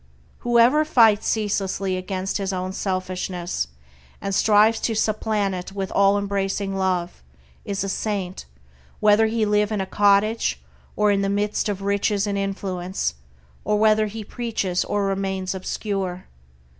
Whoever fights ceaselessly against his own selfishness, and strives to supplant it with all embracing love, is a saint, whether he live in a cottage or in the midst of riches and influence; or whether he preaches or remains obscure.